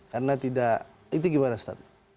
karena tidak itu gimana ustadz